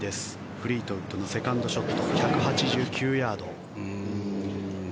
フリートウッドのセカンドショット１８９ヤード。